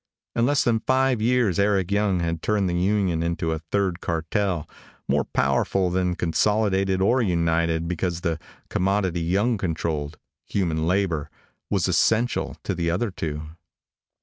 In less than five years Eric Young had turned the union into a third cartel, more powerful than Consolidated or United because the commodity Young controlled human labor was essential to the other two.